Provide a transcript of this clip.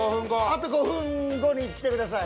あと５分後に来てください。